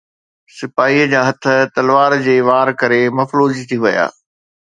سپاهيءَ جا هٿ تلوار جي وار ڪري مفلوج ٿي ويا